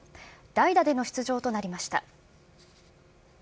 代打での出場となりました。